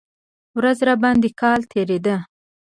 ورځ راباندې کال تېرېده.